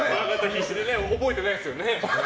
必死で覚えてないですよね。